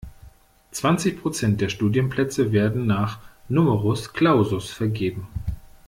Zwanzig Prozent der Studienplätze werden nach Numerus Clausus vergeben.